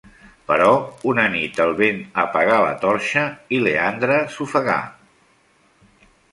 Però una nit el vent apagà la torxa i Leandre s'ofegà.